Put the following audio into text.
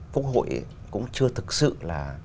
quốc hội cũng chưa thực sự là